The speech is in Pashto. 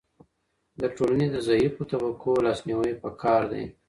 د ټولني د ضعیفو طبقو لاسنیوی پکار دی.